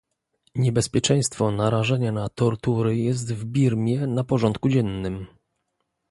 Niebezpieczeństwo narażenia na tortury jest w Birmie na porządku dziennym